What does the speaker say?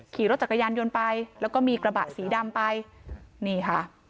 ขี่รถจักรยานยนต์ไปแล้วก็มีกระบะสีดำไปนี่ค่ะ